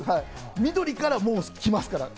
緑から結構きますから。